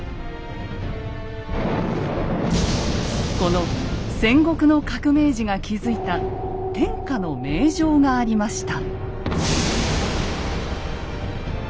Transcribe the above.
この戦国の革命児が築いた天下の名城がありました。